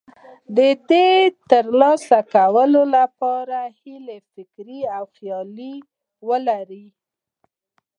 د ترلاسه کولو لپاره یې هیله، فکر او خیال ولرئ.